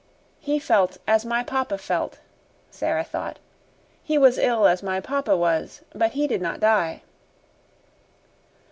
"He felt as my papa felt," Sara thought. "He was ill as my papa was; but he did not die."